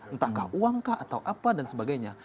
entahkah uang kah atau apa dan sebagainya